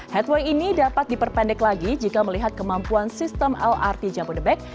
headway ini dapat diperpendek lagi jika melihat kemampuan sistem lrt jabodebek